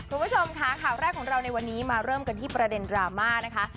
คุณผู้ชมค่ะข่าวแรกของเราในวันนี้มาเริ่มกันที่ประเด็นดราม่านะคะ